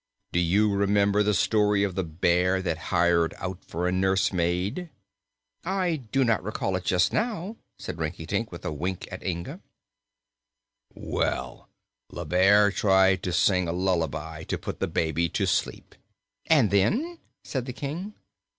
Do you remember the story of the bear that hired out for a nursemaid?" "I do not recall it just now," said Rinkitink, with a wink at Inga. "Well, the bear tried to sing a lullaby to put the baby to sleep." "And then?" said the King.